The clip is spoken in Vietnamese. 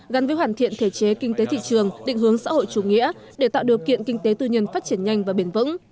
gắn với hoàn thiện thể chế kinh tế thị trường định hướng xã hội chủ nghĩa để tạo điều kiện kinh tế tư nhân phát triển nhanh và bền vững